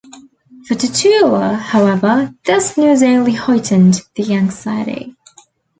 For "Tutuila", however, this news only heightened the anxiety.